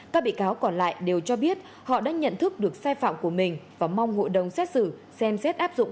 các bị cáo còn lại đều cho biết họ đã nhận thức được sai phạm của mình và mong hội đồng xét xử xem xét áp dụng